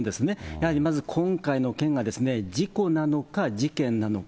やはりまず今回の件が事故なのか事件なのか。